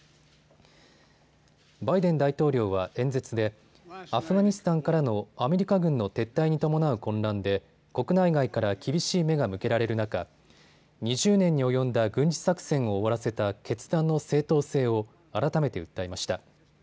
バイデン大統領は演説でアフガニスタンからのアメリカ軍の撤退に伴う混乱で国内外から厳しい目が向けられる中２０年に及んだ軍事作戦を終わらせた決断の正当性を改めて訴えました。